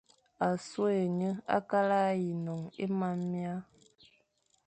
A soghé nye akal a yi non é mam mia,